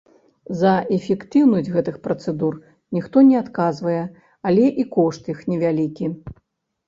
За эфектыўнасць гэтых працэдур ніхто не адказвае, але і кошт іх невялікі.